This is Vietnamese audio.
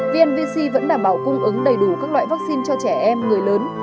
vnvc vẫn đảm bảo cung ứng đầy đủ các loại vaccine cho trẻ em người lớn